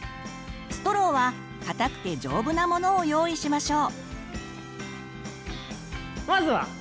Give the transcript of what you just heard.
ストローは硬くて丈夫なものを用意しましょう。